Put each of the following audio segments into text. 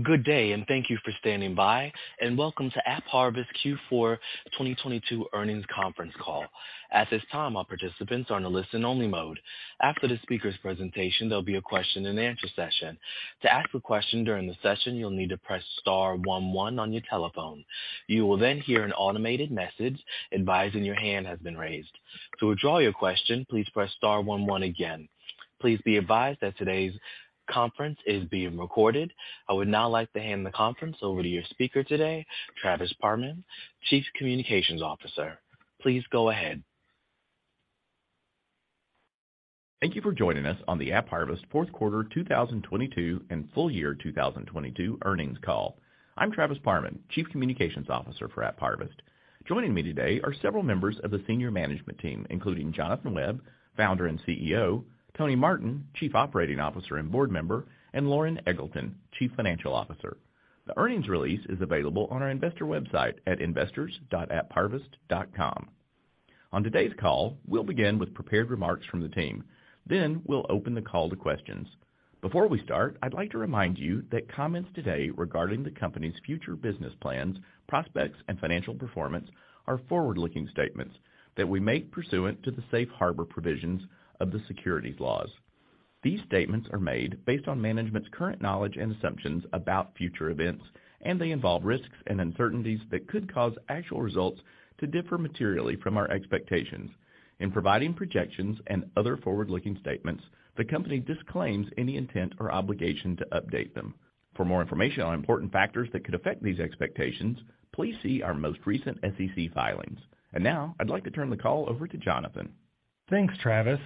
Good day, and thank you for standing by, and welcome to AppHarvest's Q4 2022 earnings conference call. At this time, all participants are on a listen-only mode. After the speaker's presentation, there'll be a question and answer session. To ask a question during the session, you'll need to press star one one on your telephone. You will then hear an automated message advising your hand has been raised. To withdraw your question, please press star one one again. Please be advised that today's conference is being recorded. I would now like to hand the conference over to your speaker today, Travis Parman, Chief Communications Officer. Please go ahead. Thank you for joining us on the AppHarvest fourth quarter 2022 and full year 2022 earnings call. I'm Travis Parman, Chief Communications Officer for AppHarvest. Joining me today are several members of the senior management team, including Jonathan Webb, Founder and CEO, Tony Martin, Chief Operating Officer and board member, and Loren Eggleton, Chief Financial Officer. The earnings release is available on our investor website at investors.appharvest.com. On today's call, we'll begin with prepared remarks from the team, then we'll open the call to questions. Before we start, I'd like to remind you that comments today regarding the company's future business plans, prospects, and financial performance are forward-looking statements that we make pursuant to the safe harbor provisions of the securities laws. These statements are made based on management's current knowledge and assumptions about future events, and they involve risks and uncertainties that could cause actual results to differ materially from our expectations. In providing projections and other forward-looking statements, the company disclaims any intent or obligation to update them. For more information on important factors that could affect these expectations, please see our most recent SEC filings. Now I'd like to turn the call over to Jonathan. Thanks, Travis.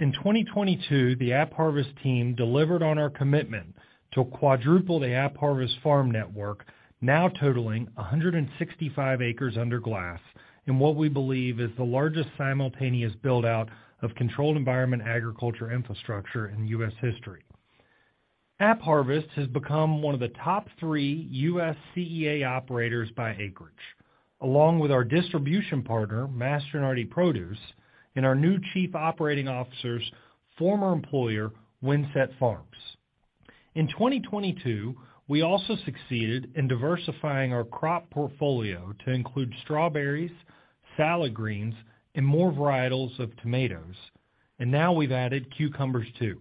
In 2022, the AppHarvest team delivered on our commitment to quadruple the AppHarvest farm network, now totaling 165 acres under glass in what we believe is the largest simultaneous build-out of controlled environment agriculture infrastructure in U.S. history. AppHarvest has become one of the top three U.S. CEA operators by acreage, along with our distribution partner, Mastronardi Produce, and our new Chief Operating Officer's former employer, Windset Farms. In 2022, we also succeeded in diversifying our crop portfolio to include strawberries, salad greens, and more varietals of tomatoes. Now we've added cucumbers too.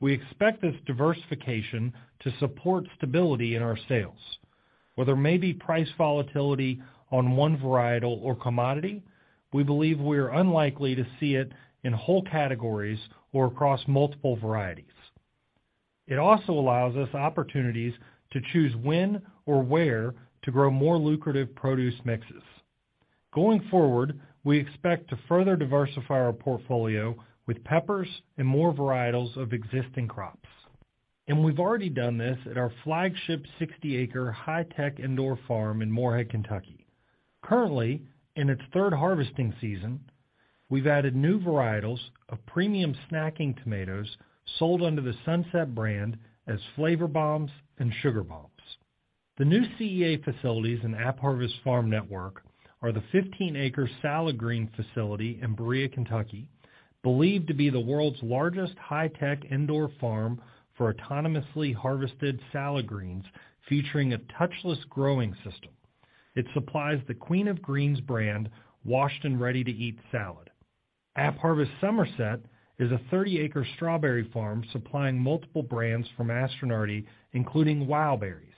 We expect this diversification to support stability in our sales. Where there may be price volatility on one varietal or commodity, we believe we are unlikely to see it in whole categories or across multiple varieties. It also allows us opportunities to choose when or where to grow more lucrative produce mixes. Going forward, we expect to further diversify our portfolio with peppers and more varietals of existing crops. We've already done this at our flagship 60-acre high-tech indoor farm in Morehead, Kentucky. Currently, in its third harvesting season, we've added new varietals of premium snacking tomatoes sold under the SUNSET brand as Flavor Bombs and Sugar Bombs. The new CEA facilities in AppHarvest farm network are the 15-acre salad green facility in Berea, Kentucky, believed to be the world's largest high-tech indoor farm for autonomously harvested salad greens featuring a touchless growing system. It supplies the Queen of Greens brand washed and ready-to-eat salad. AppHarvest Somerset is a 30-acre strawberry farm supplying multiple brands from Mastronardi, including Wild Berries.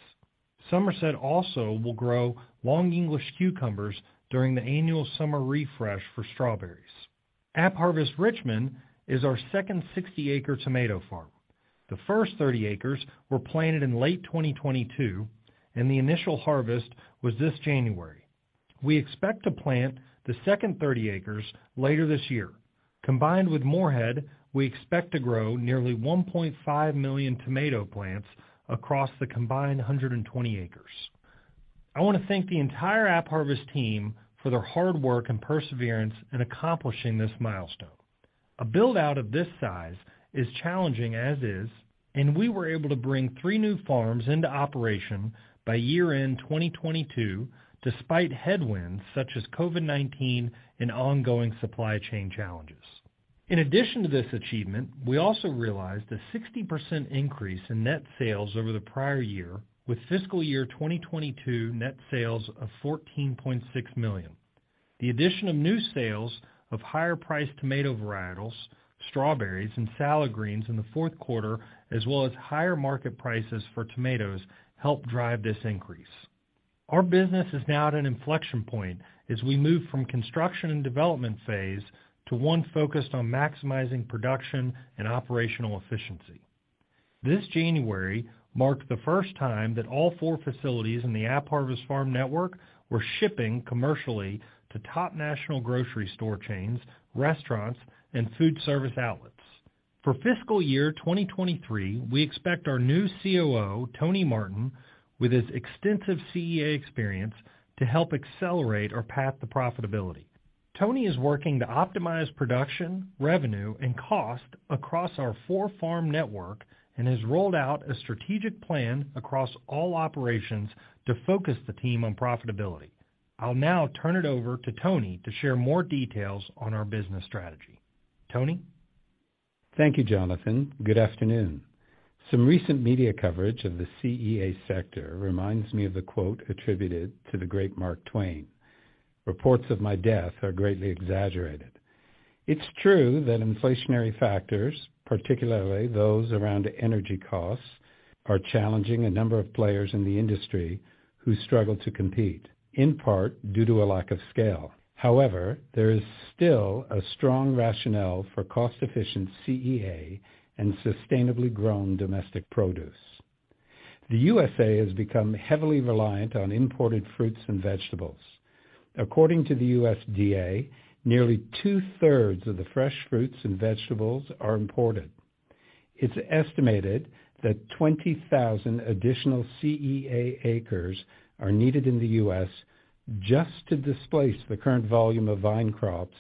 Somerset also will grow long English cucumbers during the annual summer refresh for strawberries. AppHarvest Richmond is our second 60-acre tomato farm. The first 30 acres were planted in late 2022, and the initial harvest was this January. We expect to plant the second 30 acres later this year. Combined with Morehead, we expect to grow nearly 1.5 million tomato plants across the combined 120 acres. I wanna thank the entire AppHarvest team for their hard work and perseverance in accomplishing this milestone. A build-out of this size is challenging as is, and we were able to bring three new farms into operation by year-end 2022, despite headwinds such as COVID-19 and ongoing supply chain challenges. In addition to this achievement, we also realized a 60% increase in net sales over the prior year with fiscal year 2022 net sales of $14.6 million. The addition of new sales of higher-priced tomato varietals, strawberries, and salad greens in the fourth quarter as well as higher market prices for tomatoes helped drive this increase. Our business is now at an inflection point as we move from construction and development phase to one focused on maximizing production and operational efficiency. This January marked the first time that all four facilities in the AppHarvest Farm Network were shipping commercially to top national grocery store chains, restaurants, and food service outlets. For fiscal year 2023, we expect our new COO, Tony Martin, with his extensive CEA experience, to help accelerate our path to profitability. Tony is working to optimize production, revenue, and cost across our four-farm network and has rolled out a strategic plan across all operations to focus the team on profitability. I'll now turn it over to Tony to share more details on our business strategy. Tony? Thank you, Jonathan. Good afternoon. Some recent media coverage of the CEA sector reminds me of the quote attributed to the great Mark Twain, "Reports of my death are greatly exaggerated." It's true that inflationary factors, particularly those around energy costs, are challenging a number of players in the industry who struggle to compete, in part due to a lack of scale. There is still a strong rationale for cost-efficient CEA and sustainably grown domestic produce. The U.S. has become heavily reliant on imported fruits and vegetables. According to the USDA, nearly two-thirds of the fresh fruits and vegetables are imported. It's estimated that 20,000 additional CEA acres are needed in the U.S. just to displace the current volume of vine crops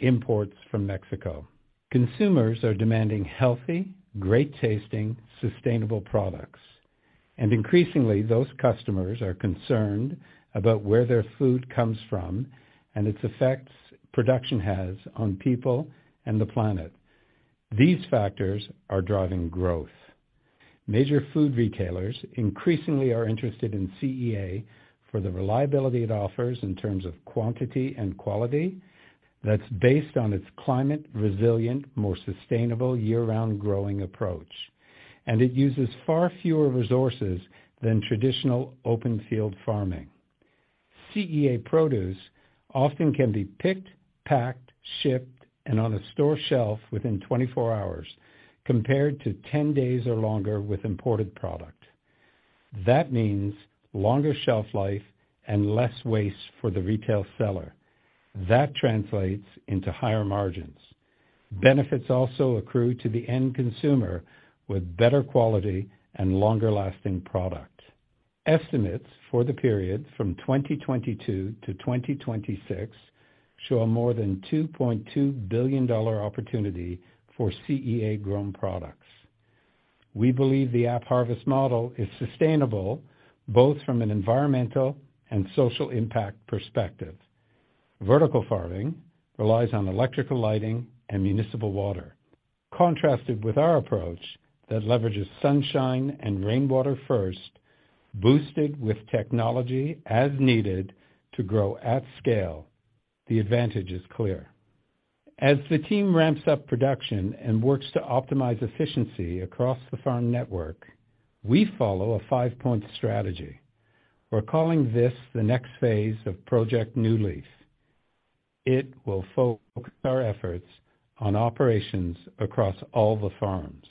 imports from Mexico. Consumers are demanding healthy, great-tasting, sustainable products. Increasingly, those customers are concerned about where their food comes from and its effects production has on people and the planet. These factors are driving growth. Major food retailers increasingly are interested in CEA for the reliability it offers in terms of quantity and quality that's based on its climate-resilient, more sustainable year-round growing approach. It uses far fewer resources than traditional open field farming. CEA produce often can be picked, packed, shipped, and on a store shelf within 24 hours, compared to 10 days or longer with imported product. That means longer shelf life and less waste for the retail seller. That translates into higher margins. Benefits also accrue to the end consumer with better quality and longer-lasting product. Estimates for the period from 2022 to 2026 show a more than $2.2 billion opportunity for CEA-grown products. We believe the AppHarvest model is sustainable both from an environmental and social impact perspective. Vertical farming relies on electrical lighting and municipal water. Contrasted with our approach that leverages sunshine and rainwater first, boosted with technology as needed to grow at scale, the advantage is clear. As the team ramps up production and works to optimize efficiency across the farm network, we follow a five-point strategy. We're calling this the next phase of Project New Leaf. It will focus our efforts on operations across all the farms.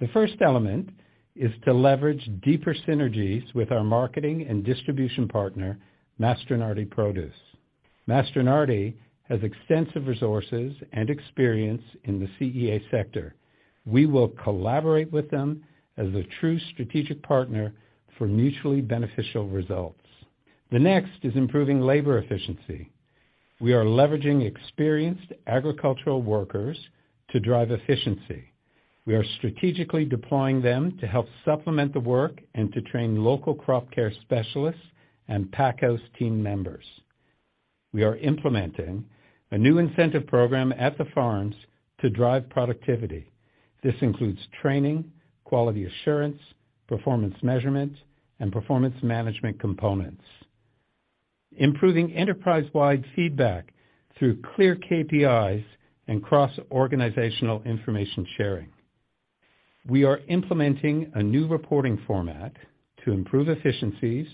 The first element is to leverage deeper synergies with our marketing and distribution partner, Mastronardi Produce. Mastronardi has extensive resources and experience in the CEA sector. We will collaborate with them as a true strategic partner for mutually beneficial results. The next is improving labor efficiency. We are leveraging experienced agricultural workers to drive efficiency. We are strategically deploying them to help supplement the work and to train local crop care specialists and pack house team members. We are implementing a new incentive program at the farms to drive productivity. This includes training, quality assurance, performance measurement, and performance management components. Improving enterprise-wide feedback through clear KPIs and cross-organizational information sharing. We are implementing a new reporting format to improve efficiencies,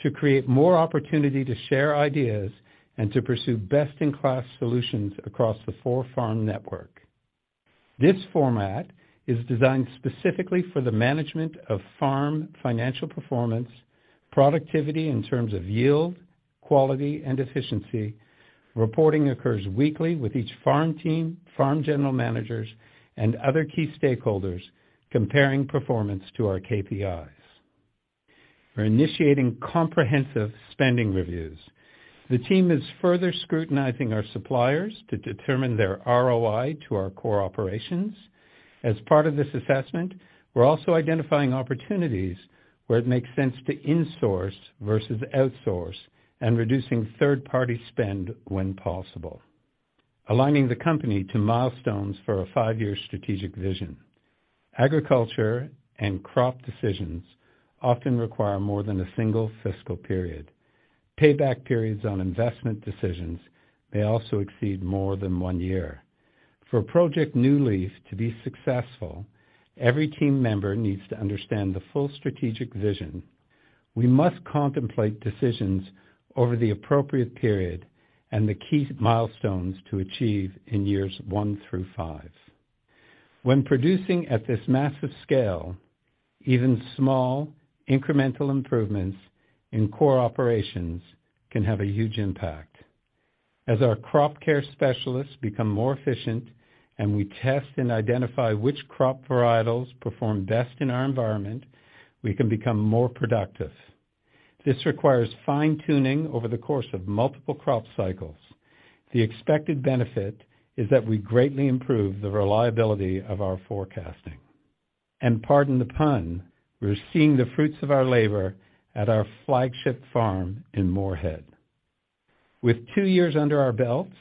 to create more opportunity to share ideas, and to pursue best-in-class solutions across the four-farm network. This format is designed specifically for the management of farm financial performance, productivity in terms of yield, quality, and efficiency. Reporting occurs weekly with each farm team, farm general managers, and other key stakeholders comparing performance to our KPIs. We're initiating comprehensive spending reviews. The team is further scrutinizing our suppliers to determine their ROI to our core operations. As part of this assessment, we're also identifying opportunities where it makes sense to in-source versus outsource and reducing third-party spend when possible. Aligning the company to milestones for a five-year strategic vision. Agriculture and crop decisions often require more than a single fiscal period. Payback periods on investment decisions may also exceed more than one year. For Project New Leaf to be successful, every team member needs to understand the full strategic vision. We must contemplate decisions over the appropriate period and the key milestones to achieve in years one through five. When producing at this massive scale, even small, incremental improvements in core operations can have a huge impact. As our crop care specialists become more efficient and we test and identify which crop varietals perform best in our environment, we can become more productive. This requires fine-tuning over the course of multiple crop cycles. The expected benefit is that we greatly improve the reliability of our forecasting. Pardon the pun, we're seeing the fruits of our labor at our flagship farm in Morehead. With two years under our belts,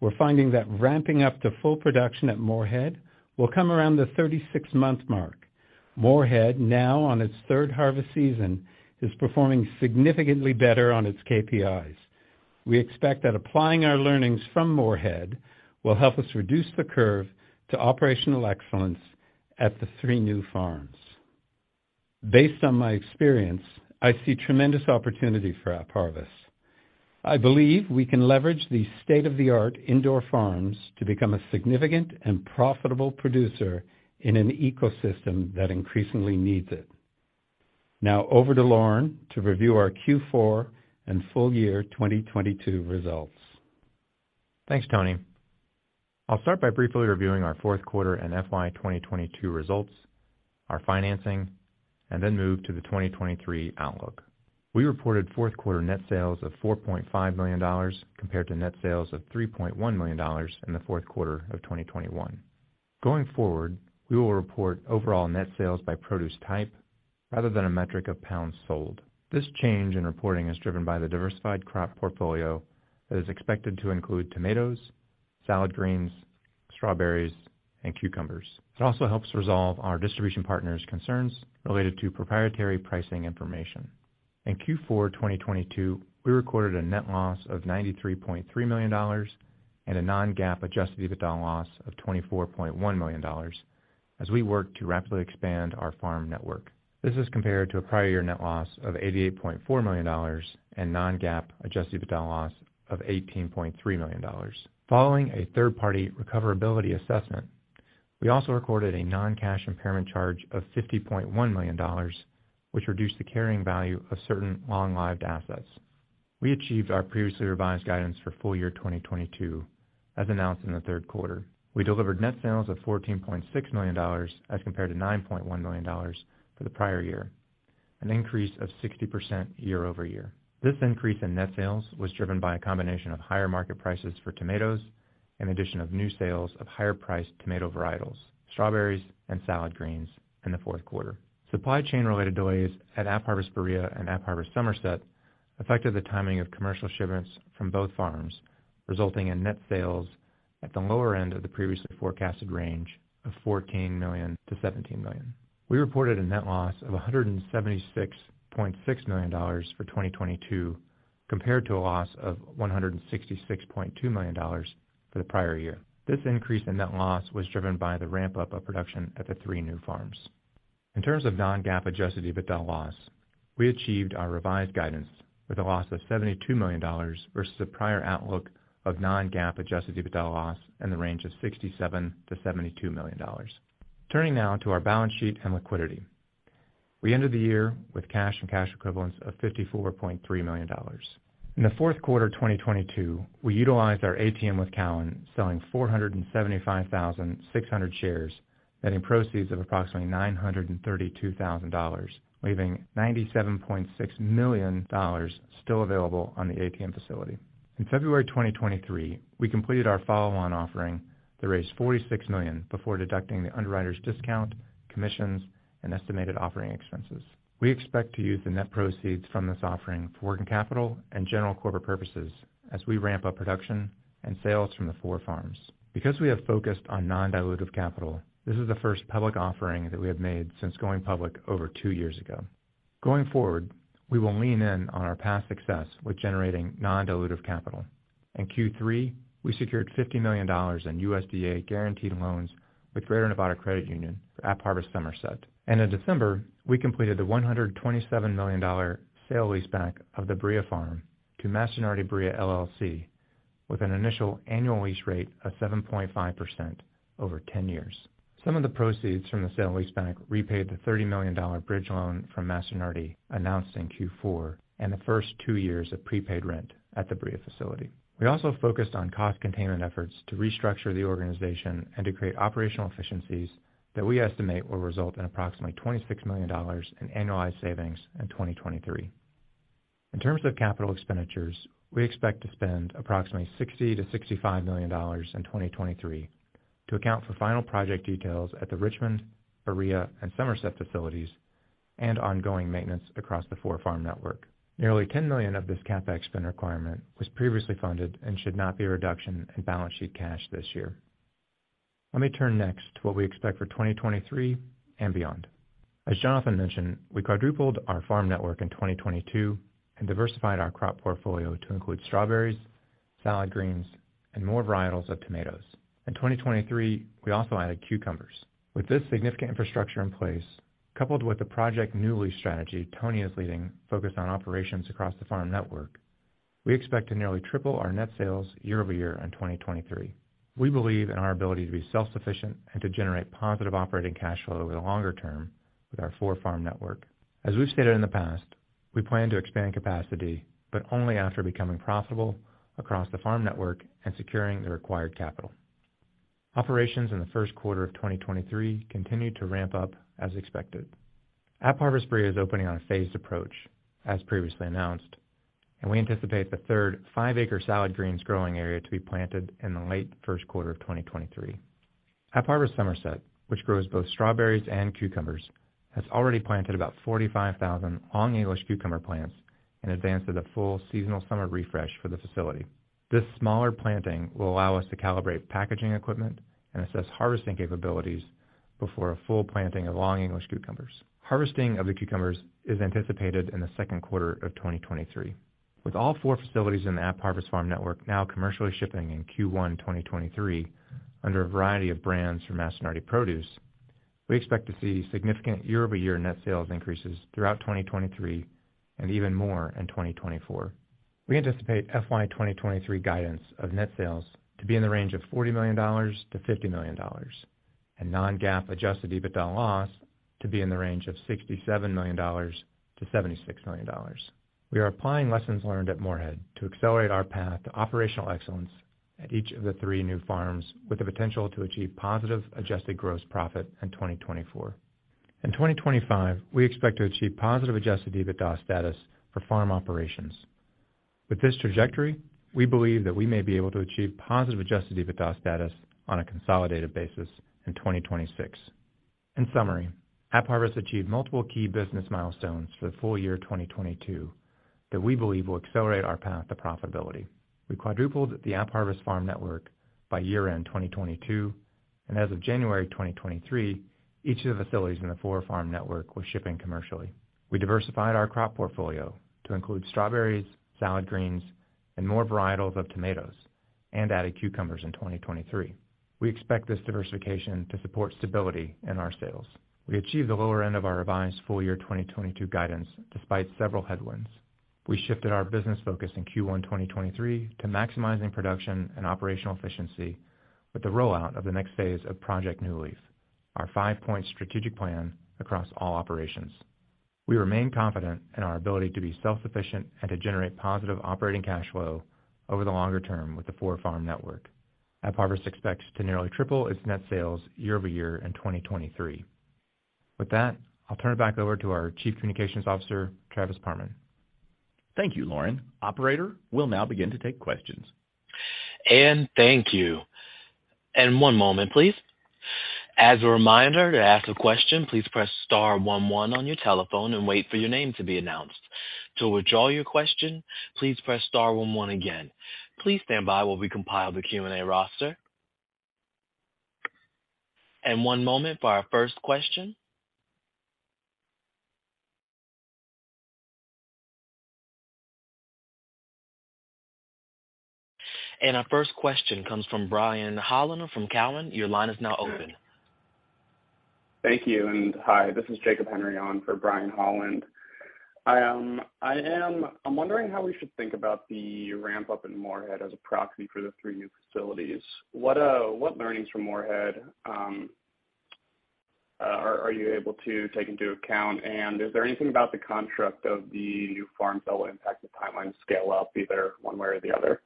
we're finding that ramping up to full production at Morehead will come around the 36-month mark. Morehead, now on its third harvest season, is performing significantly better on its KPIs. We expect that applying our learnings from Morehead will help us reduce the curve to operational excellence at the three new farms. Based on my experience, I see tremendous opportunity for AppHarvest. I believe we can leverage these state-of-the-art indoor farms to become a significant and profitable producer in an ecosystem that increasingly needs it. Now over to Loren to review our Q4 and full year 2022 results. Thanks, Tony. I'll start by briefly reviewing our fourth quarter and FY 2022 results, our financing, and then move to the 2023 outlook. We reported fourth quarter net sales of $4.5 million compared to net sales of $3.1 million in the fourth quarter of 2021. Going forward, we will report overall net sales by produce type rather than a metric of pounds sold. This change in reporting is driven by the diversified crop portfolio that is expected to include tomatoes, salad greens, strawberries, and cucumbers. It also helps resolve our distribution partners' concerns related to proprietary pricing information. In Q4 2022, we recorded a net loss of $93.3 million and a non-GAAP adjusted EBITDA loss of $24.1 million as we work to rapidly expand our farm network. This is compared to a prior year net loss of $88.4 million and non-GAAP adjusted EBITDA loss of $18.3 million. Following a third-party recoverability assessment, we also recorded a non-cash impairment charge of $50.1 million, which reduced the carrying value of certain long-lived assets. We achieved our previously revised guidance for full-year 2022 as announced in the third quarter. We delivered net sales of $14.6 million as compared to $9.1 million for the prior year, an increase of 60% year-over-year. This increase in net sales was driven by a combination of higher market prices for tomatoes, and addition of new sales of higher priced tomato varietals, strawberries, and salad greens in the fourth quarter. Supply chain-related delays at AppHarvest Berea and AppHarvest Somerset affected the timing of commercial shipments from both farms, resulting in net sales at the lower end of the previously forecasted range of $14 million-$17 million. We reported a net loss of $176.6 million for 2022 compared to a loss of $166.2 million for the prior year. This increase in net loss was driven by the ramp-up of production at the three new farms. In terms of non-GAAP adjusted EBITDA loss, we achieved our revised guidance with a loss of $72 million versus a prior outlook of non-GAAP adjusted EBITDA loss in the range of $67 million-$72 million. Turning now to our balance sheet and liquidity. We ended the year with cash and cash equivalents of $54.3 million. In the fourth quarter 2022, we utilized our ATM with Cowen, selling 475,600 shares, netting proceeds of approximately $932,000, leaving $97.6 million still available on the ATM facility. In February 2023, we completed our follow-on offering that raised $46 million before deducting the underwriter's discount, commissions, and estimated offering expenses. We expect to use the net proceeds from this offering for working capital and general corporate purposes as we ramp up production and sales from the four farms. Because we have focused on non-dilutive capital, this is the first public offering that we have made since going public over two years ago. Going forward, we will lean in on our past success with generating non-dilutive capital. In Q3, we secured $50 million in USDA guaranteed loans with Greater Nevada Credit Union for AppHarvest Somerset. In December, we completed the $127 million sale leaseback of the Berea farm to Mastronardi Berea LLC with an initial annual lease rate of 7.5% over 10 years. Some of the proceeds from the sale leaseback repaid the $30 million bridge loan from Mastronardi announced in Q4 and the first two years of prepaid rent at the Berea facility. We also focused on cost containment efforts to restructure the organization and to create operational efficiencies that we estimate will result in approximately $26 million in annualized savings in 2023. In terms of capital expenditures, we expect to spend approximately $60 million-$65 million in 2023 to account for final project details at the Richmond, Berea, and Somerset facilities and ongoing maintenance across the four-farm network. Nearly $10 million of this CapEx spend requirement was previously funded and should not be a reduction in balance sheet cash this year. Let me turn next to what we expect for 2023 and beyond. As Jonathan mentioned, we quadrupled our farm network in 2022 and diversified our crop portfolio to include strawberries, salad greens, and more varietals of tomatoes. In 2023, we also added cucumbers. With this significant infrastructure in place, coupled with the Project New Leaf strategy Tony is leading focused on operations across the farm network, we expect to nearly triple our net sales year-over-year in 2023. We believe in our ability to be self-sufficient and to generate positive operating cash flow over the longer term with our four-farm network. As we've stated in the past, we plan to expand capacity, but only after becoming profitable across the farm network and securing the required capital. Operations in the first quarter of 2023 continued to ramp up as expected. AppHarvest Berea is opening on a phased approach, as previously announced. We anticipate the third five-acre salad greens growing area to be planted in the late first quarter of 2023. AppHarvest Somerset, which grows both strawberries and cucumbers, has already planted about 45,000 long English cucumber plants in advance of the full seasonal summer refresh for the facility. This smaller planting will allow us to calibrate packaging equipment and assess harvesting capabilities before a full planting of long English cucumbers. Harvesting of the cucumbers is anticipated in the second quarter of 2023. With all four facilities in the AppHarvest farm network now commercially shipping in Q1 2023 under a variety of brands from Mastronardi Produce, we expect to see significant year-over-year net sales increases throughout 2023 and even more in 2024. We anticipate FY 2023 guidance of net sales to be in the range of $40 million-$50 million, and non-GAAP adjusted EBITDA loss to be in the range of $67 million-$76 million. We are applying lessons learned at Morehead to accelerate our path to operational excellence at each of the three new farms with the potential to achieve positive adjusted gross profit in 2024. In 2025, we expect to achieve positive adjusted EBITDA status for farm operations. With this trajectory, we believe that we may be able to achieve positive adjusted EBITDA status on a consolidated basis in 2026. In summary, AppHarvest achieved multiple key business milestones for the full year 2022 that we believe will accelerate our path to profitability. We quadrupled the AppHarvest farm network by year-end 2022, and as of January 2023, each of the facilities in the four-farm network was shipping commercially. We diversified our crop portfolio to include strawberries, salad greens, and more varietals of tomatoes, and added cucumbers in 2023. We expect this diversification to support stability in our sales. We achieved the lower end of our revised full year 2022 guidance despite several headwinds. We shifted our business focus in Q1 2023 to maximizing production and operational efficiency with the rollout of the next phase of Project New Leaf, our five-point strategic plan across all operations. We remain confident in our ability to be self-sufficient and to generate positive operating cash flow over the longer term with the four-farm network. AppHarvest expects to nearly triple its net sales year-over-year in 2023. With that, I'll turn it back over to our Chief Communications Officer, Travis Parman. Thank you, Loren. Operator, we'll now begin to take questions. Thank you. One moment, please. As a reminder, to ask a question, please press star one one on your telephone and wait for your name to be announced. To withdraw your question, please press star one one again. Please stand by while we compile the Q&A roster. One moment for our first question. Our first question comes from Brian Holland from Cowen. Your line is now open. Thank you, hi. This is Jacob Henry on for Brian Holland. I'm wondering how we should think about the ramp-up in Morehead as a proxy for the three new facilities. What learnings from Morehead, are you able to take into account? Is there anything about the construct of the new farms that will impact the timeline to scale up, either one way or the other?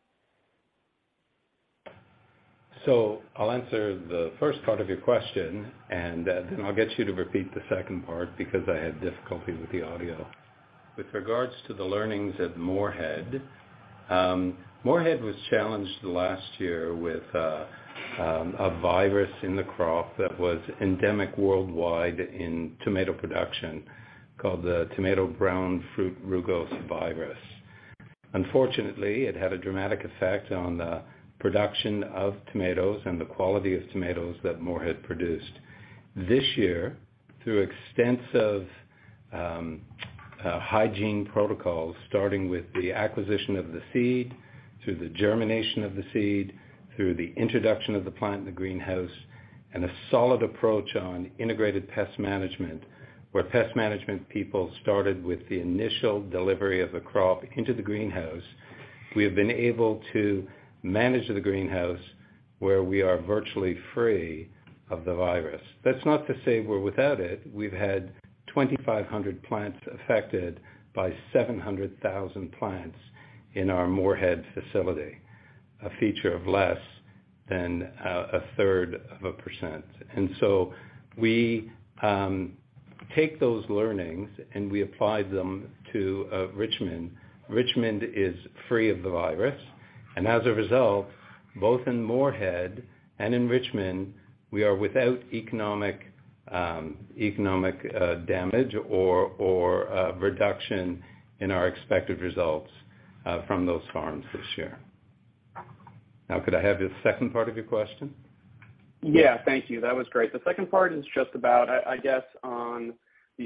I'll answer the first part of your question, and then I'll get you to repeat the second part because I had difficulty with the audio. With regards to the learnings at Morehead was challenged last year with a virus in the crop that was endemic worldwide in tomato production called the Tomato brown rugose fruit virus. Unfortunately, it had a dramatic effect on the production of tomatoes and the quality of tomatoes that Morehead produced. This year, through extensive hygiene protocols, starting with the acquisition of the seed to the germination of the seed through the introduction of the plant in the greenhouse, and a solid approach on integrated pest management, where pest management people started with the initial delivery of the crop into the greenhouse. We have been able to manage the greenhouse where we are virtually free of the virus. That's not to say we're without it. We've had 2,500 plants affected by 700,000 plants in our Morehead facility, a feature of less than a third of a percent. We take those learnings, and we applied them to Richmond. Richmond is free of the virus. As a result, both in Morehead and in Richmond, we are without economic damage or reduction in our expected results from those farms this year. Could I have the second part of your question? Yeah. Thank you. That was great. The second part is just about, I guess, on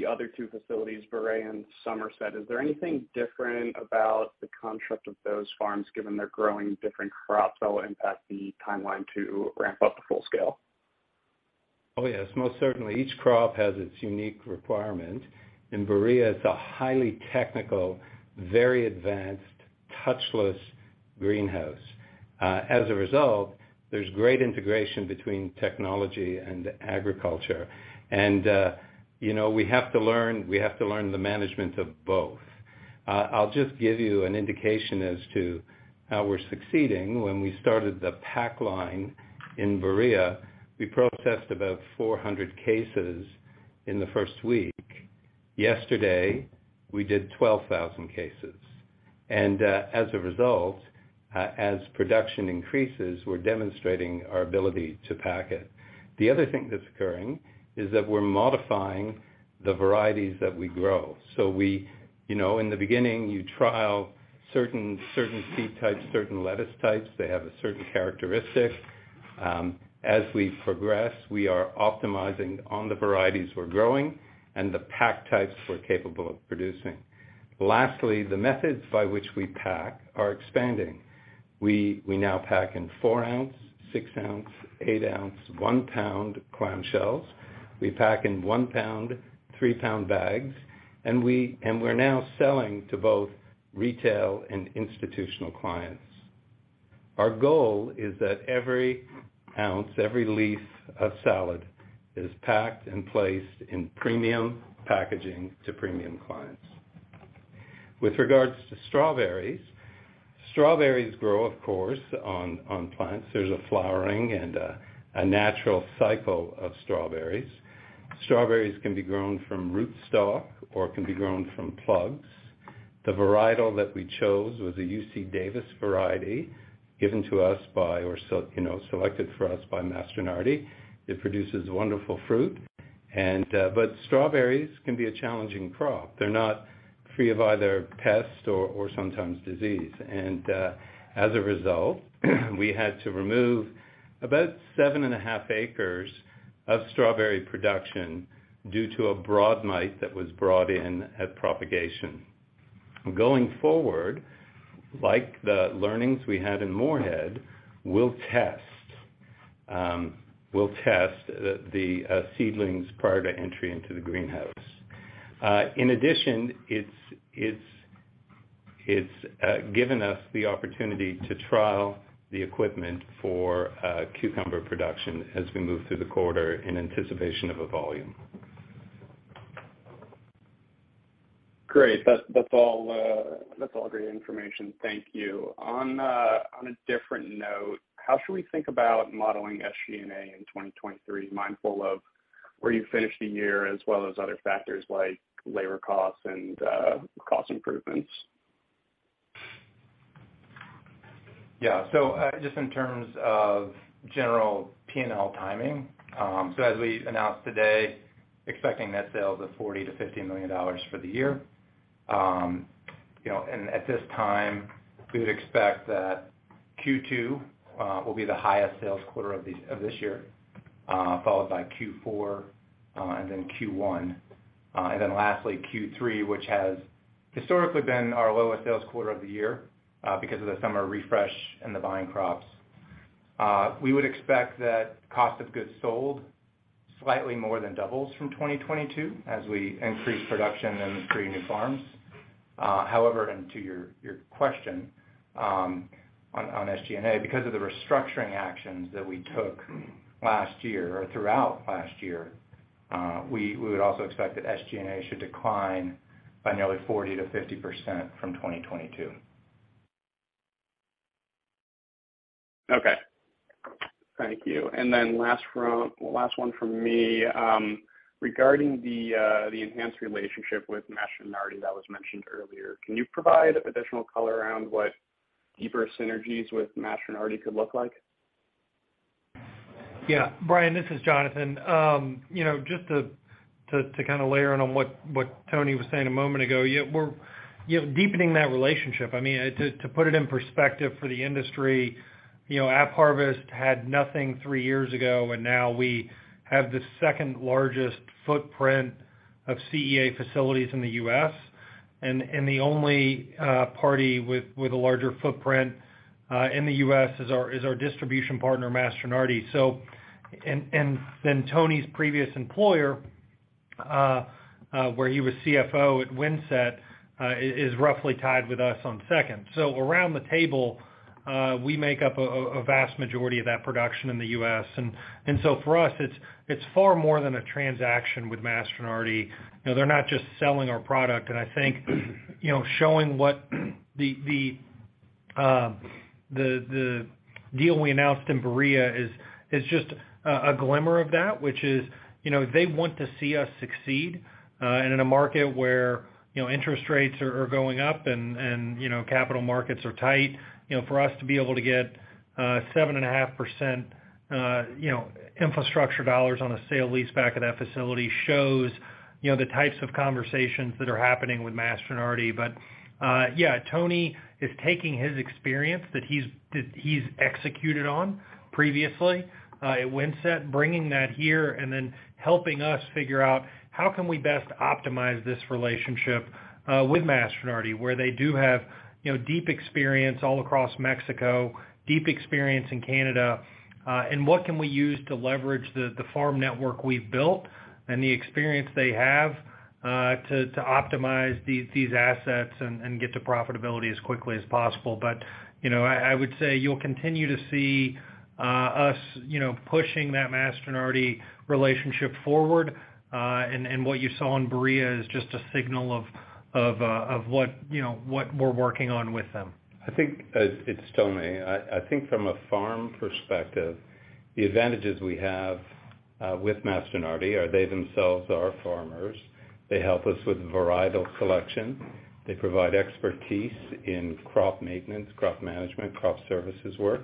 the other two facilities, Berea and Somerset. Is there anything different about the construct of those farms given they're growing different crops that will impact the timeline to ramp up to full scale? Oh, yes, most certainly. Each crop has its unique requirement. In Berea, it's a highly technical, very advanced touchless greenhouse. As a result, there's great integration between technology and agriculture. You know, we have to learn the management of both. I'll just give you an indication as to how we're succeeding. When we started the pack line in Berea, we processed about 400 cases In the first week. Yesterday, we did 12,000 cases. As a result, as production increases, we're demonstrating our ability to pack it. The other thing that's occurring is that we're modifying the varieties that we grow. You know, in the beginning, you trial certain seed types, certain lettuce types. They have a certain characteristic. As we progress, we are optimizing on the varieties we're growing and the pack types we're capable of producing. Lastly, the methods by which we pack are expanding. We now pack in 4 ounce, 6 ounce, 8 ounce, 1 lbs clamshells. We pack in 1 lbs, 3 lbs bags, and we're now selling to both retail and institutional clients. Our goal is that every ounce, every leaf of salad is packed and placed in premium packaging to premium clients. With regards to strawberries grow, of course, on plants. There's a flowering and a natural cycle of strawberries. Strawberries can be grown from rootstock or can be grown from plugs. The varietal that we chose was a UC Davis variety given to us by you know, selected for us by Mastronardi. It produces wonderful fruit. Strawberries can be a challenging crop. They're not free of either pest or sometimes disease. As a result, we had to remove about 7.5 acres of strawberry production due to a broad mite that was brought in at propagation. Going forward, like the learnings we had in Morehead, we'll test the seedlings prior to entry into the greenhouse. In addition, it's given us the opportunity to trial the equipment for cucumber production as we move through the quarter in anticipation of a volume. Great. That's all great information. Thank you. On, on a different note, how should we think about modeling SG&A in 2023, mindful of where you finished the year as well as other factors like labor costs and cost improvements? Just in terms of general P&L timing, as we announced today, expecting net sales of $40 million-$50 million for the year. You know, at this time, we would expect that Q2 will be the highest sales quarter of this year, followed by Q4, then Q1. Lastly, Q3, which has historically been our lowest sales quarter of the year, because of the summer refresh and the buying crops. We would expect that cost of goods sold slightly more than doubles from 2022 as we increase production and create new farms. However, to your question, on SG&A, because of the restructuring actions that we took last year or throughout last year, we would also expect that SG&A should decline by nearly 40%-50% from 2022. Okay. Thank you. Last one from me. Regarding the enhanced relationship with Mastronardi that was mentioned earlier, can you provide additional color around what deeper synergies with Mastronardi could look like? Yeah. Brian, this is Jonathan. You know, just to kinda layer in on what Tony was saying a moment ago, we're, you know, deepening that relationship. I mean, to put it in perspective for the industry, you know, AppHarvest had nothing three years ago, now we have the second largest footprint of CEA facilities in the U.S. The only party with a larger footprint in the U.S. is our distribution partner, Mastronardi. Then Tony's previous employer, where he was CFO at Windset, is roughly tied with us on second. Around the table, we make up a vast majority of that production in the U.S. For us, it's far more than a transaction with Mastronardi. You know, they're not just selling our product. I think, you know, showing what the deal we announced in Berea is just a glimmer of that, which is, you know, they want to see us succeed, and in a market where, you know, interest rates are going up and, you know, capital markets are tight. You know, for us to be able to get 7.5%, you know, infrastructure dollars on a sale leaseback of that facility shows, you know, the types of conversations that are happening with Mastronardi. Yeah, Tony is taking his experience that he's, that he's executed on previously, at Windset, bringing that here and then helping us figure out how can we best optimize this relationship with Mastronardi, where they do have, you know, deep experience all across Mexico, deep experience in Canada, and what can we use to leverage the farm network we've built and the experience they have, to optimize these assets and get to profitability as quickly as possible. You know, I would say you'll continue to see us, you know, pushing that Mastronardi relationship forward. And, and what you saw in Berea is just a signal of what, you know, what we're working on with them. I think, it's Tony. I think from a farm perspective. The advantages we have, with Mastronardi are they themselves are farmers. They help us with varietal selection. They provide expertise in crop maintenance, crop management, crop services work.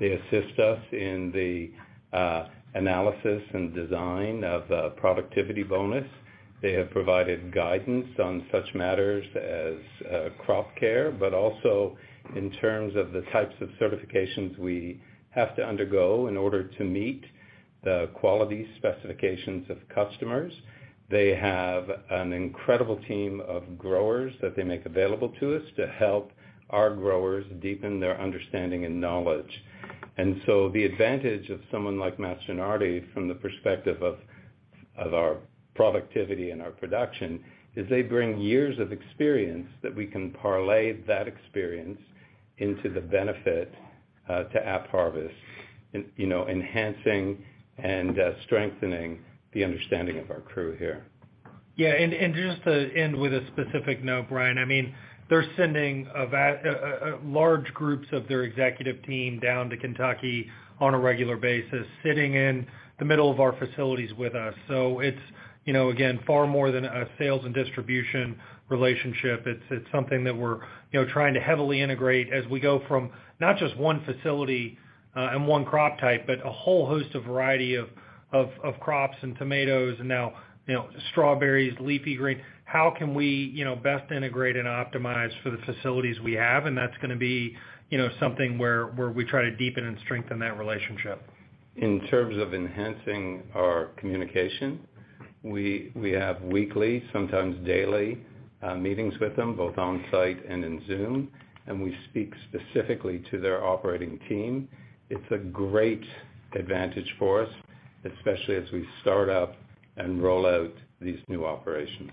They assist us in the analysis and design of the productivity bonus. They have provided guidance on such matters as crop care, but also in terms of the types of certifications we have to undergo in order to meet the quality specifications of customers. They have an incredible team of growers that they make available to us to help our growers deepen their understanding and knowledge. The advantage of someone like Mastronardi from the perspective of our productivity and our production, is they bring years of experience that we can parlay that experience into the benefit to AppHarvest, you know, enhancing and strengthening the understanding of our crew here. Just to end with a specific note, Brian, I mean, they're sending large groups of their executive team down to Kentucky on a regular basis, sitting in the middle of our facilities with us. It's, you know, again, far more than a sales and distribution relationship. It's something that we're, you know, trying to heavily integrate as we go from not just one facility and one crop type, but a whole host of variety of crops and tomatoes and now, you know, strawberries, leafy green. How can we, you know, best integrate and optimize for the facilities we have? That's gonna be, you know, something where we try to deepen and strengthen that relationship. In terms of enhancing our communication, we have weekly, sometimes daily, meetings with them, both on site and in Zoom, and we speak specifically to their operating team. It's a great advantage for us, especially as we start up and roll out these new operations.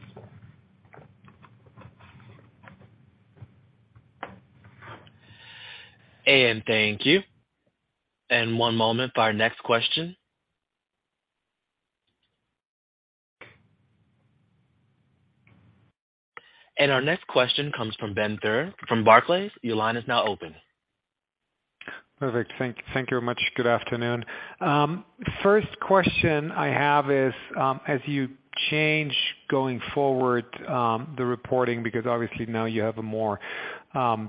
Thank you. One moment for our next question. Our next question comes from Ben Theurer from Barclays. Your line is now open. Perfect. Thank you very much. Good afternoon. First question I have is, as you change going forward, the reporting, because obviously now you have a more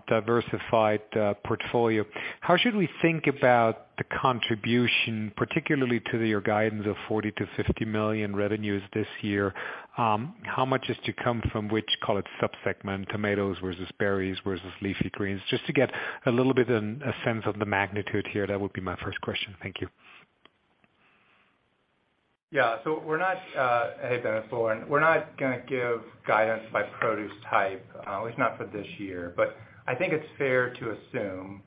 diversified portfolio, how should we think about the contribution, particularly to your guidance of $40 million-$50 million revenues this year? How much is to come from which, call it sub-segment, tomatoes versus berries versus leafy greens? Just to get a little bit in a sense of the magnitude here. That would be my first question. Thank you. Yeah. Hey, Ben, it's Loren. We're not gonna give guidance by produce type, at least not for this year. I think it's fair to assume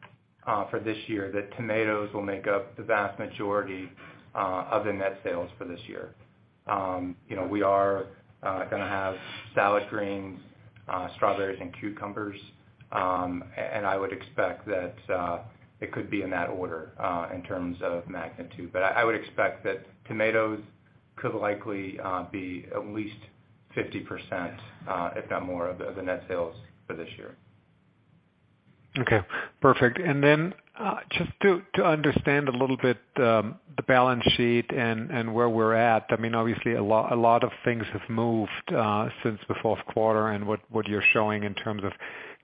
for this year that tomatoes will make up the vast majority of the net sales for this year. You know, we are gonna have salad greens, strawberries and cucumbers. I would expect that it could be in that order in terms of magnitude. I would expect that tomatoes could likely be at least 50%, if not more of the net sales for this year. Okay. Perfect. Then, just to understand a little bit, the balance sheet and where we're at, I mean, obviously a lot of things have moved since the fourth quarter and what you're showing in terms of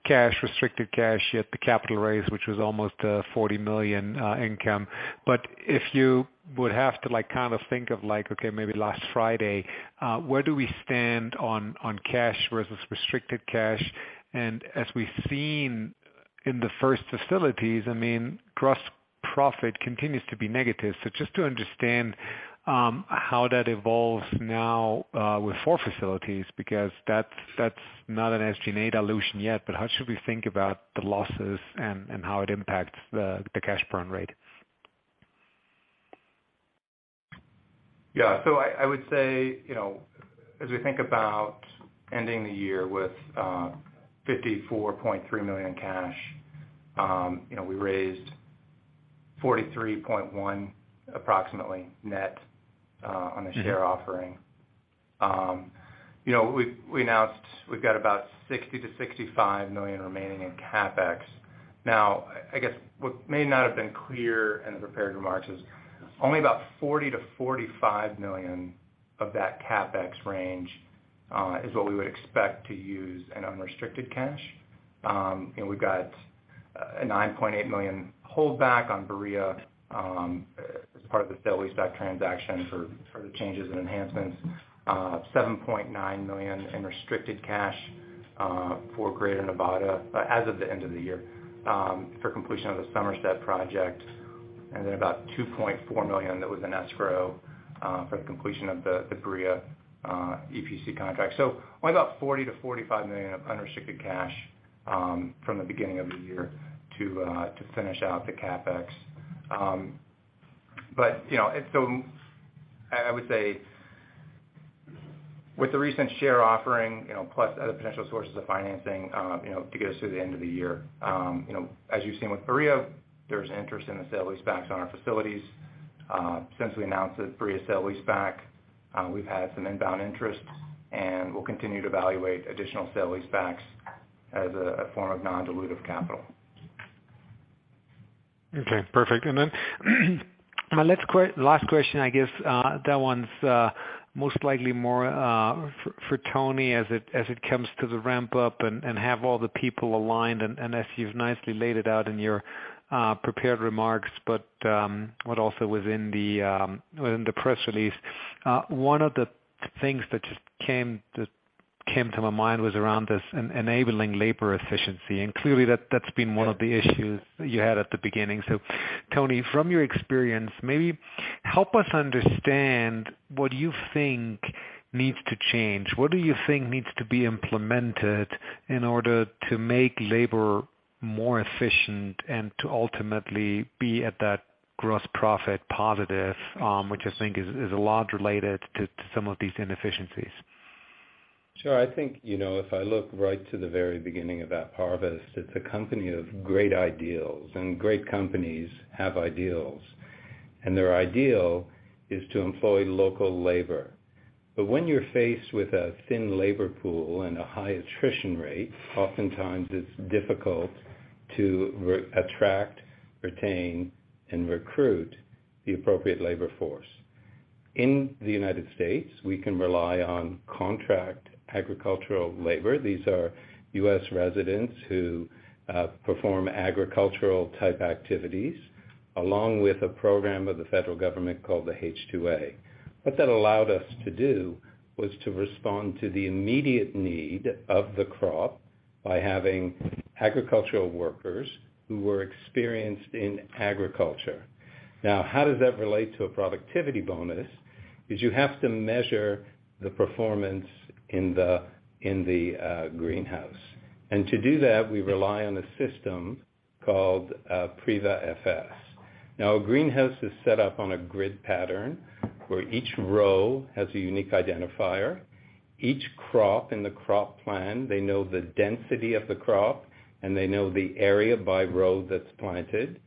cash, restricted cash yet, the capital raise, which was almost $40 million, income. If you would have to like kind of think of like, okay, maybe last Friday, where do we stand on cash versus restricted cash? As we've seen in the first facilities, I mean, gross profit continues to be negative. Just to understand, how that evolves now, with four facilities, because that's not an SG&A dilution yet, but how should we think about the losses and how it impacts the cash burn rate? I would say, you know, as we think about ending the year with $54.3 million in cash, you know, we raised $43.1 approximately net on the share offering. You know, we announced we've got about $60 million-$65 million remaining in CapEx. Now, I guess what may not have been clear in the prepared remarks is only about $40 million-$45 million of that CapEx range is what we would expect to use in unrestricted cash. And we've got a $9.8 million holdback on Berea as part of the sale-leaseback transaction for the changes and enhancements. $7.9 million in restricted cash for Greater Nevada as of the end of the year for completion of the Somerset project, and then about $2.4 million that was in escrow for the completion of the Berea EPC contract. Only about $40 million-$45 million of unrestricted cash from the beginning of the year to finish out the CapEx. I would say with the recent share offering, you know, plus other potential sources of financing, to get us through the end of the year. As you've seen with Berea, there's interest in the sale-leasebacks on our facilities. Since we announced the Berea sale-leaseback, we've had some inbound interest, and we'll continue to evaluate additional sale-leasebacks. As a form of non-dilutive capital. Okay, perfect. My last question, I guess, that one's most likely more for Tony as it comes to the ramp up and have all the people aligned, and as you've nicely laid it out in your prepared remarks, but also within the press release. One of the things that came to my mind was around this enabling labor efficiency. Clearly that's been one of the issues you had at the beginning. Tony, from your experience, maybe help us understand what you think needs to change. What do you think needs to be implemented in order to make labor more efficient and to ultimately be at that gross profit positive, which I think is a lot related to some of these inefficiencies? Sure. I think, you know, if I look right to the very beginning of AppHarvest, it's a company of great ideals, and great companies have ideals, and their ideal is to employ local labor. When you're faced with a thin labor pool and a high attrition rate, oftentimes it's difficult to re-attract, retain and recruit the appropriate labor force. In the United States, we can rely on contract agricultural labor. These are U.S. residents who perform agricultural-type activities along with a program of the federal government called the H-2A. What that allowed us to do was to respond to the immediate need of the crop by having agricultural workers who were experienced in agriculture. Now, how does that relate to a productivity bonus? Is you have to measure the performance in the greenhouse. To do that, we rely on a system called Priva FS. A greenhouse is set up on a grid pattern where each row has a unique identifier. Each crop in the crop plan, they know the density of the crop, and they know the area by row that's planted.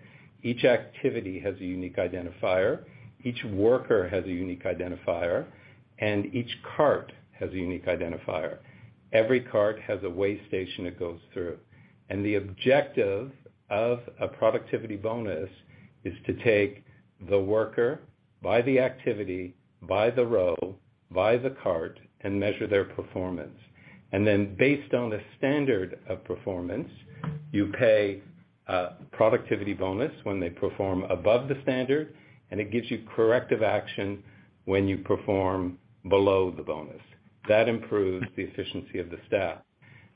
Each activity has a unique identifier, each worker has a unique identifier, and each cart has a unique identifier. Every cart has a weigh station it goes through. The objective of a productivity bonus is to take the worker by the activity, by the row, by the cart, and measure their performance. Based on the standard of performance, you pay a productivity bonus when they perform above the standard, and it gives you corrective action when you perform below the bonus. That improves the efficiency of the staff.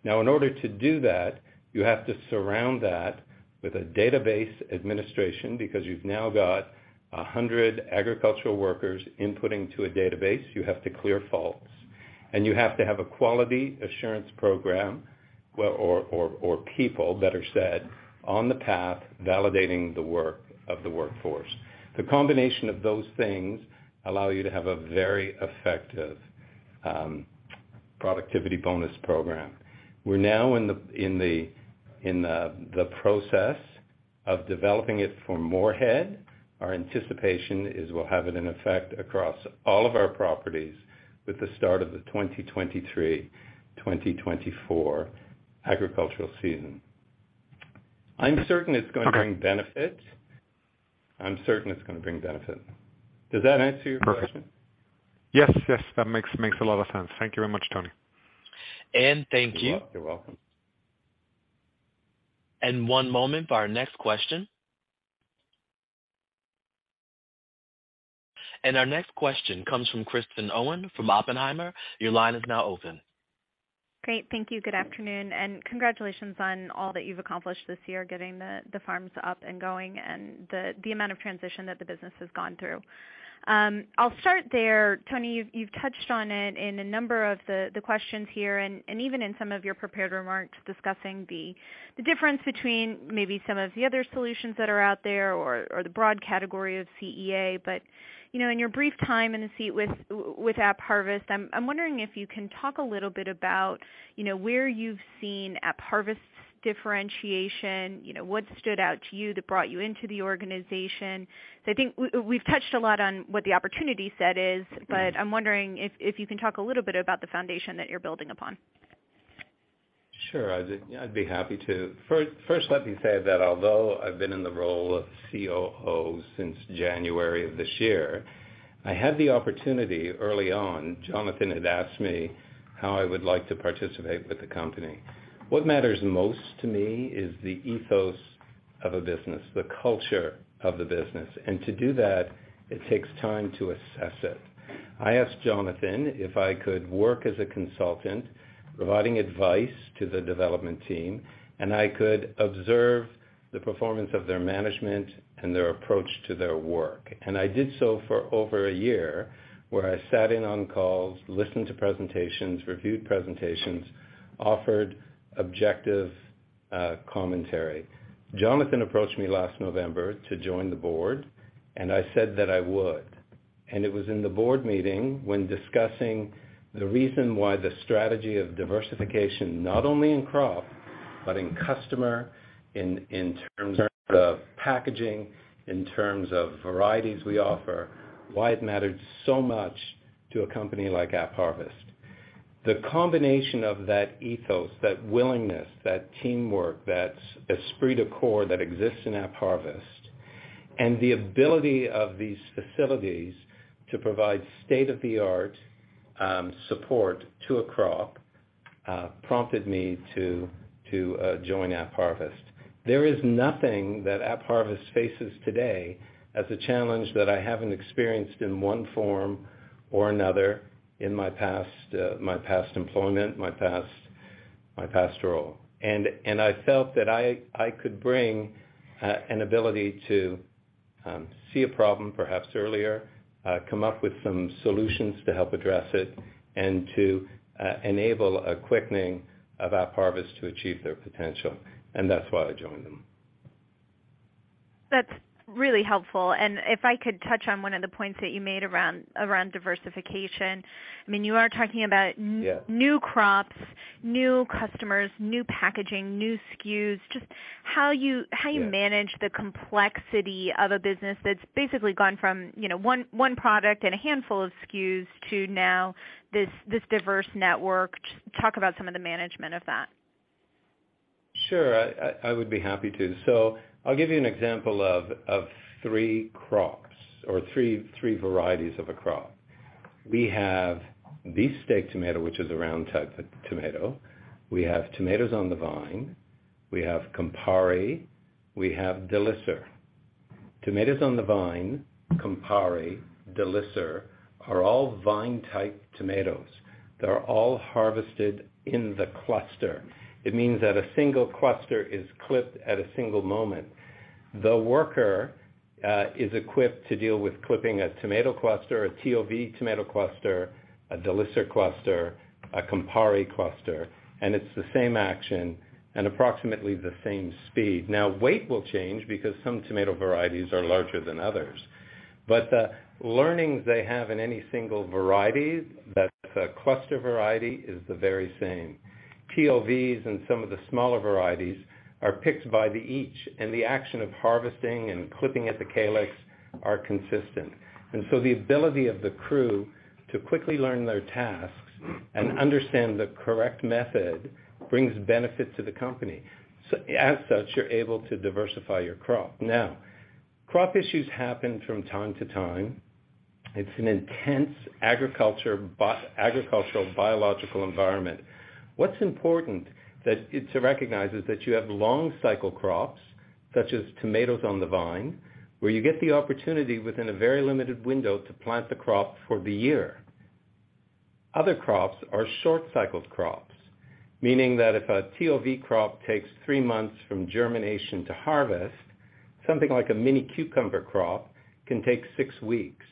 Now, in order to do that, you have to surround that with a database administration because you've now got 100 agricultural workers inputting to a database. You have to clear faults, and you have to have a quality assurance program. Or people better said, on the path validating the work of the workforce. The combination of those things allow you to have a very effective productivity bonus program. We're now in the process of developing it for Morehead. Our anticipation is we'll have it in effect across all of our properties with the start of the 2023/2024 agricultural season. I'm certain it's gonna bring benefits. Okay. I'm certain it's gonna bring benefit. Does that answer your question? Perfect. Yes. Yes, that makes a lot of sense. Thank you very much, Tony. Thank you. You're welcome. One moment for our next question. Our next question comes from Kristen Owen from Oppenheimer. Your line is now open. Great. Thank you. Congratulations on all that you've accomplished this year, getting the farms up and going and the amount of transition that the business has gone through. I'll start there. Tony, you've touched on it in a number of the questions here and even in some of your prepared remarks discussing the difference between maybe some of the other solutions that are out there or the broad category of CEA. You know, in your brief time in the seat with AppHarvest, I'm wondering if you can talk a little bit about, you know, where you've seen AppHarvest differentiation. You know, what stood out to you that brought you into the organization? I think we've touched a lot on what the opportunity set is, but I'm wondering if you can talk a little bit about the foundation that you're building upon. Sure. I'd be happy to. First, let me say that although I've been in the role of COO since January of this year, I had the opportunity early on, Jonathan had asked me how I would like to participate with the company. What matters most to me is the ethos of a business, the culture of the business. To do that, it takes time to assess it. I asked Jonathan if I could work as a consultant providing advice to the development team, and I could observe the performance of their management and their approach to their work. I did so for over a year, where I sat in on calls, listened to presentations, reviewed presentations, offered objective commentary. Jonathan approached me last November to join the board, and I said that I would. It was in the board meeting when discussing the reason why the strategy of diversification, not only in crop but in customer, in terms of packaging, in terms of varieties we offer, why it mattered so much. To a company like AppHarvest. The combination of that ethos, that willingness, that teamwork, that esprit de corps that exists in AppHarvest, and the ability of these facilities to provide state-of-the-art, support to a crop, prompted me to join AppHarvest. There is nothing that AppHarvest faces today as a challenge that I haven't experienced in one form or another in my past employment, my past role. I felt that I could bring an ability to see a problem perhaps earlier, come up with some solutions to help address it, and to enable a quickening of AppHarvest to achieve their potential, and that's why I joined them. That's really helpful. If I could touch on one of the points that you made around diversification. I mean, you are talking about new crops, new customers, new packaging, new SKUs. Yeah How you manage the complexity of a business that's basically gone from, you know, one product and a handful of SKUs to now this diverse network. Talk about some of the management of that. Sure. I would be happy to. I'll give you an example of three crops or three varieties of a crop. We have beefsteak tomato, which is a round type of tomato. We have tomatoes on the vine. We have Campari. We have Delisher. Tomatoes on the vine, Campari, Delisher are all vine-type tomatoes. They're all harvested in the cluster. It means that a single cluster is clipped at a single moment. The worker is equipped to deal with clipping a tomato cluster, a TOV tomato cluster, a Delisher cluster, a Campari cluster, and it's the same action and approximately the same speed. Now, weight will change because some tomato varieties are larger than others, but the learnings they have in any single variety that's a cluster variety is the very same. TOVs and some of the smaller varieties are picked by the each, and the action of harvesting and clipping at the calyx are consistent. The ability of the crew to quickly learn their tasks and understand the correct method brings benefit to the company. As such, you're able to diversify your crop. Now, crop issues happen from time to time. It's an intense agricultural, biological environment. What's important is to recognize is that you have long cycle crops, such as tomatoes on the vine, where you get the opportunity within a very limited window to plant the crop for the year. Other crops are short cycled crops, meaning that if a TOV crop takes three months from germination to harvest, something like a mini cucumber crop can take six weeks.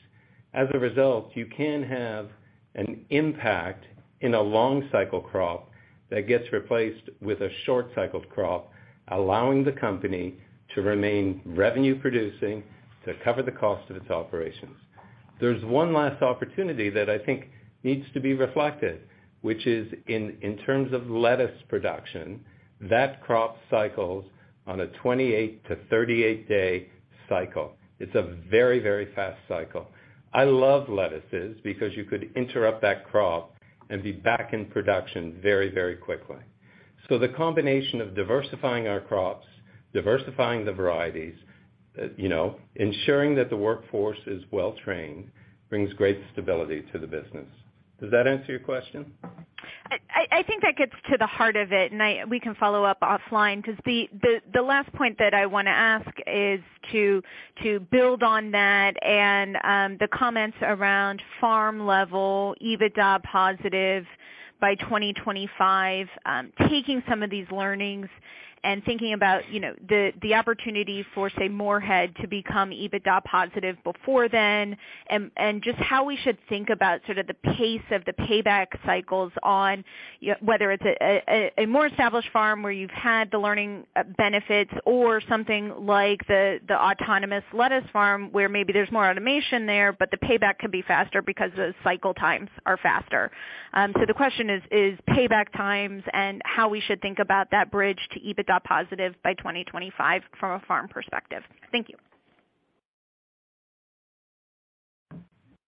As a result, you can have an impact in a long cycle crop that gets replaced with a short cycled crop, allowing the company to remain revenue producing to cover the cost of its operations. There's one last opportunity that I think needs to be reflected, which is in terms of lettuce production, that crop cycles on a 28 to 38 day cycle. It's a very, very fast cycle. I love lettuces because you could interrupt that crop and be back in production very, very quickly. The combination of diversifying our crops, diversifying the varieties, you know, ensuring that the workforce is well trained, brings great stability to the business. Does that answer your question? I think that gets to the heart of it, and we can follow up offline 'cause the last point that I wanna ask is to build on that and the comments around farm level, EBITDA positive by 2025, taking some of these learnings and thinking about, you know, the opportunity for, say, Morehead to become EBITDA positive before then and just how we should think about sort of the pace of the payback cycles on whether it's a more established farm where you've had the learning benefits or something like the autonomous lettuce farm where maybe there's more automation there, but the payback could be faster because the cycle times are faster. The question is payback times and how we should think about that bridge to EBITDA positive by 2025 from a farm perspective. Thank you.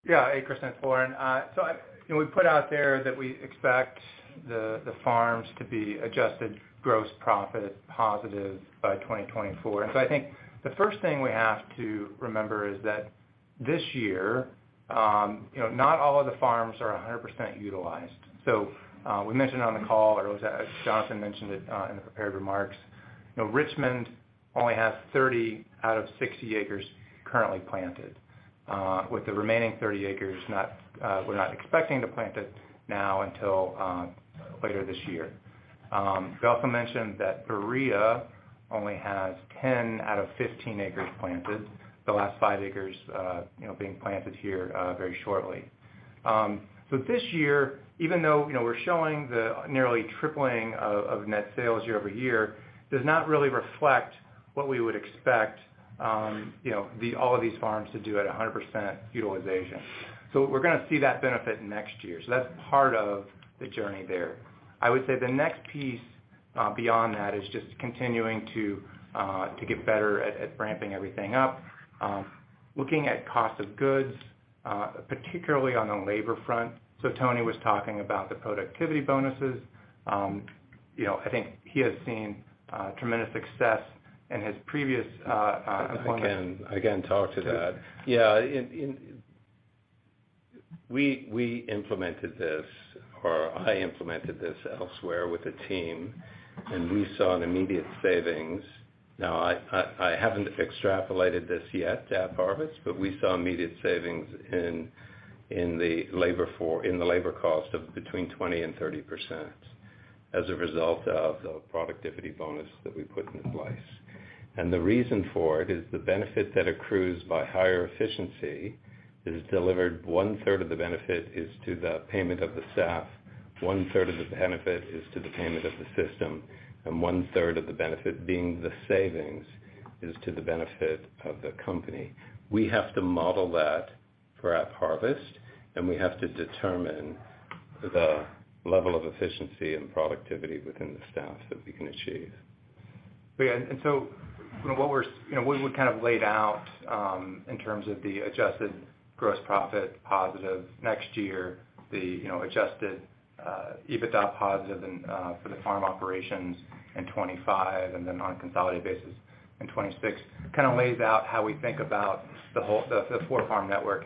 Yeah. Hey, Kristen, it's Loren. You know, we put out there that we expect the farms to be adjusted gross profit positive by 2024. I think the first thing we have to remember is that this year, you know, not all of the farms are 100% utilized. We mentioned on the call or it was Jonathan mentioned it in the prepared remarks. You know, Richmond only has 30 out of 60 acres currently planted, with the remaining 30 acres not, we're not expecting to plant it now until later this year. We also mentioned that Berea only has 10 out of 15 acres planted, the last five acres, you know, being planted here, very shortly. This year, even though, you know, we're showing the nearly tripling of net sales year-over-year, does not really reflect what we would expect, you know, all of these farms to do at 100% utilization. We're gonna see that benefit next year. That's part of the journey there. I would say the next piece beyond that is just continuing to get better at ramping everything up. Looking at cost of goods, particularly on the labor front. Tony was talking about the productivity bonuses. You know, I think he has seen tremendous success in his previous employment- I can talk to that. Please. We implemented this, or I implemented this elsewhere with a team. We saw an immediate savings. I haven't extrapolated this yet to AppHarvest. We saw immediate savings in the labor cost of between 20% and 30% as a result of the productivity bonus that we put in place. The reason for it is the benefit that accrues by higher efficiency is delivered, one third of the benefit is to the payment of the staff, one third of the benefit is to the payment of the system, and one third of the benefit being the savings is to the benefit of the company. We have to model that for AppHarvest. We have to determine the level of efficiency and productivity within the staff that we can achieve. Yeah. You know, what we kind of laid out in terms of the adjusted gross profit positive next year, the, you know, adjusted EBITDA positive and for the farm operations in 2025 and then on a consolidated basis in 2026, kind of lays out how we think about the whole the four-farm network.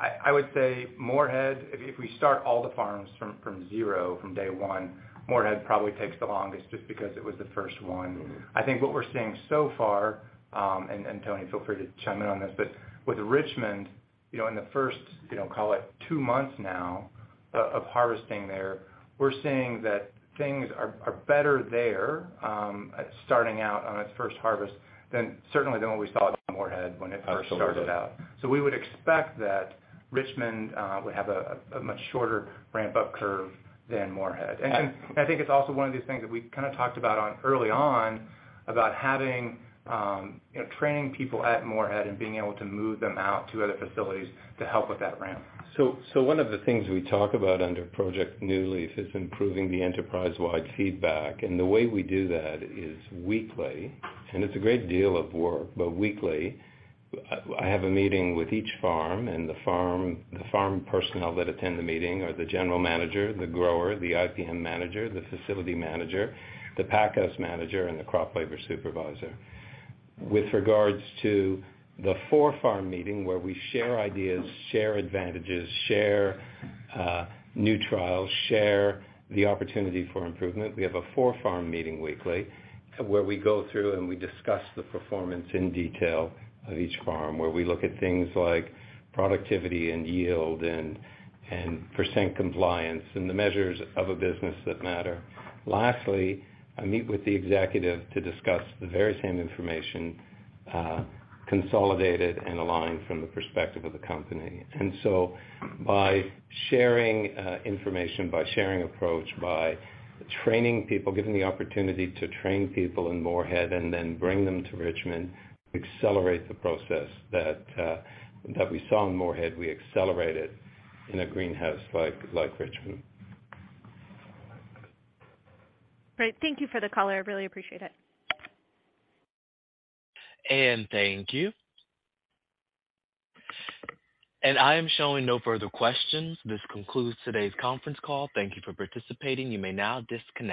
I would say Morehead, if we start all the farms from zero, from day one, Morehead probably takes the longest just because it was the first one. I think what we're seeing so far, and Tony, feel free to chime in on this, but with Richmond, you know, in the first, you know, call it two months now of harvesting there, we're seeing that things are better there, starting out on its first harvest than certainly than what we saw at Morehead when it first started out. Absolutely. We would expect that Richmond would have a much shorter ramp-up curve than Morehead. Yeah. I think it's also one of these things that we kind of talked about on early on about having, you know, training people at Morehead and being able to move them out to other facilities to help with that ramp. One of the things we talk about under Project New Leaf is improving the enterprise-wide feedback. The way we do that is weekly, and it's a great deal of work, but weekly, I have a meeting with each farm. The farm personnel that attend the meeting are the general manager, the grower, the IPM manager, the facility manager, the pack house manager, and the crop labor supervisor. With regards to the four-farm meeting where we share ideas, share advantages, share new trials, share the opportunity for improvement, we have a four-farm meeting weekly where we go through and we discuss the performance in detail of each farm, where we look at things like productivity and yield and percent compliance and the measures of a business that matter. Lastly, I meet with the executive to discuss the very same information, consolidated and aligned from the perspective of the company. By sharing information, by sharing approach, by training people, giving the opportunity to train people in Morehead and then bring them to Richmond, accelerate the process that we saw in Morehead, we accelerate it in a greenhouse like Richmond. Great. Thank you for the color. I really appreciate it. Thank you. I am showing no further questions. This concludes today's conference call. Thank you for participating. You may now disconnect.